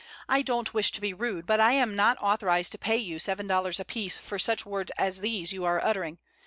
"I don't wish to be rude, but I am not authorized to pay you seven dollars apiece for such words as these you are uttering.